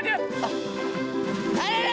hei mau main lagi